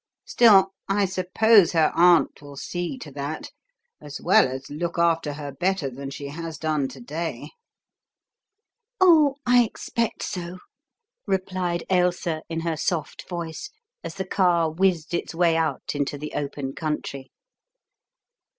Still, I suppose her aunt will see to that, as well as look after her better than she has done to day." "Oh, I expect so," replied Ailsa in her soft voice, as the car whizzed its way out into the open country.